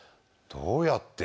どうやって？